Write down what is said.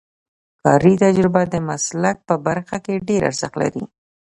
کاري تجربه د مسلک په برخه کې ډېر ارزښت لري.